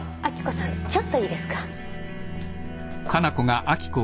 ちょっといいですか？